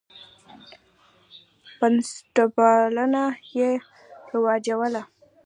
بنسټپالنه یې رواجوله.